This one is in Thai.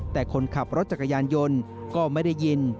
แต่คนขับรถจักรยานยนต์ก็ไม่ได้ยิน